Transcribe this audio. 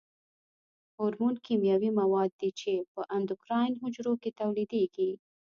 هورمون کیمیاوي مواد دي چې په اندوکراین حجرو کې تولیدیږي.